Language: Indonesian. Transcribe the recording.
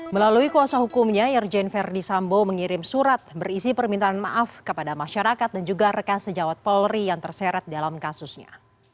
melalui kuasa hukumnya irjen verdi sambo mengirim surat berisi permintaan maaf kepada masyarakat dan juga rekan sejawat polri yang terseret dalam kasusnya